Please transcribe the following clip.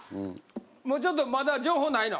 もうちょっとまだ情報ないの？